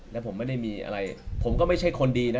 แล้วผมไม่ได้มีอะไรผมก็ไม่ใช่คนดีนะ